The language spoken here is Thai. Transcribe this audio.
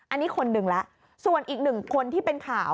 อันนี้คนหนึ่งแล้วส่วนอีกหนึ่งคนที่เป็นข่าว